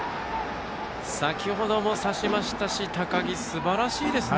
先程も刺しましたし高木、すばらしいですね。